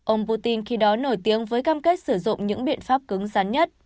ông putin khi đó nổi tiếng với cam kết sử dụng những biện pháp cứng rắn nhất